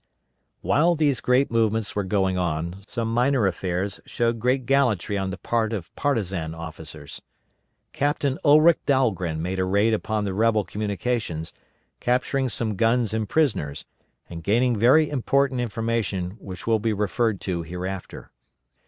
While these great movements were going on, some minor affairs showed great gallantry on the part of partisan officers. Captain Ulric Dahlgren made a raid upon the rebel communications, capturing some guns and prisoners, and gaining very important information which will be referred to hereafter.